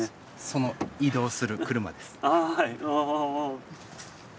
その移動する車です。